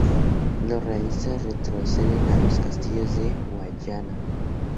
Los realistas retroceden a los Castillos de Guayana.